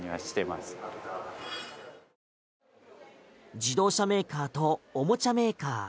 自動車メーカーとおもちゃメーカー。